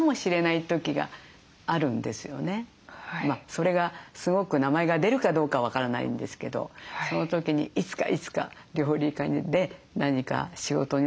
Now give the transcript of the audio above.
それがすごく名前が出るかどうか分からないんですけどその時にいつかいつか料理家で何か仕事になった時は必ず朝。